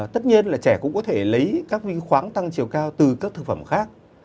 tất nhiên là trẻ cũng có thể lấy các vi khoáng tăng chiều cao từ các thực phẩm khác